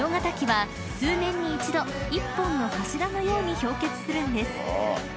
滝は数年に一度１本の柱のように氷結するんです］